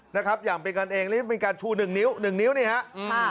นะครับอย่างเป็นกันเองแล้วมีการชูหนึ่งนิ้วหนึ่งนิ้วนี่ฮะอืม